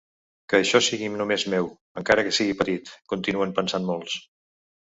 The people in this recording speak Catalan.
“Que això sigui només meu, encara que sigui petit”, continuen pensant molts.